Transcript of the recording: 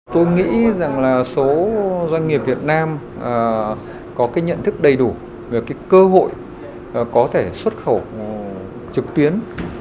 tôi nghĩ rằng là số doanh nghiệp việt nam có cái nhận thức đầy đủ về cái cơ hội có thể xuất khẩu trực tuyến